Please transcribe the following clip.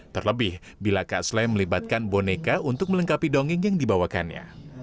terlebih bila kak slem melibatkan boneka untuk melengkapi dongeng yang dibawakannya